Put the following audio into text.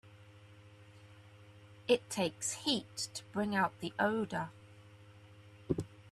It takes heat to bring out the odor.